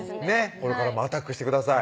これからもアタックしてください